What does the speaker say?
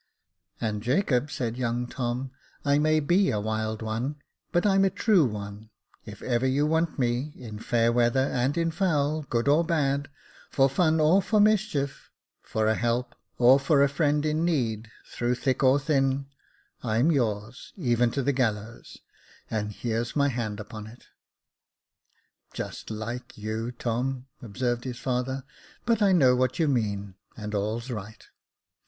" And Jacob," said young Tom ;—" I may be a wild one, but I'm a true one , if ever you want me, in fair weather and in foul — good or bad — for fun or for mischief — for a help, or for a friend in need, through thick or thin, I'm yours, even to the gallows ; and here's my hand upon it." " Just hke you, Tom," observed his father ;" but I know what you mean, and all's right."